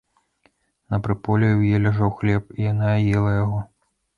На прыполе ў яе ляжаў хлеб, і яна ела яго.